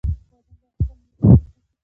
بادام د افغانستان د ملي هویت یوه نښه ده.